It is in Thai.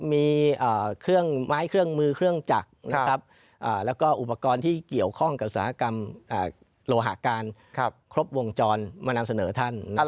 มีเครื่องไม้เครื่องมือเครื่องจักรแล้วก็อุปกรณ์ที่เกี่ยวข้องกับอุตสาหกรรมโลหะการครบวงจรมานำเสนอท่าน